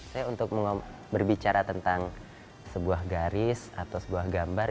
saya untuk berbicara tentang sebuah garis atau sebuah gambar